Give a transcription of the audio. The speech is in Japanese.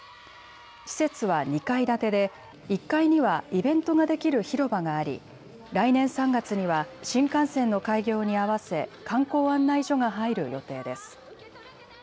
施設は２階建てで１階にはイベントができる広場があり来年３月には新幹線の開業に合わせ観光案内所が入る予定です。